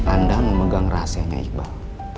anda memegang rahasianya iqbal